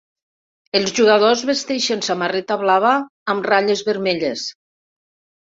Els jugadors vesteixen samarreta blava amb ratlles vermelles.